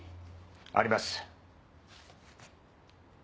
あります。